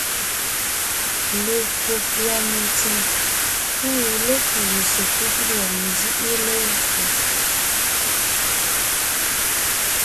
Legÿo pʉ́a mentsèm kuʼu lékúu sekúd lɔg nzíʼi levfò,